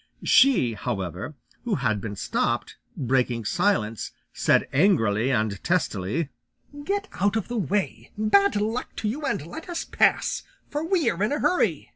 She, however, who had been stopped, breaking silence, said angrily and testily, "Get out of the way, bad luck to you, and let us pass, for we are in a hurry."